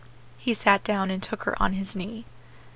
He sat down and took her on his knee.